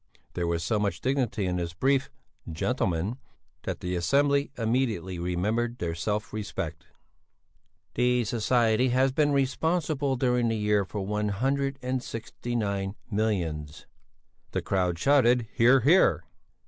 There was so much dignity in this brief "Gentlemen" that the assembly immediately remembered their self respect. "The Society has been responsible during the year for one hundred and sixty nine millions." "Hear! hear!"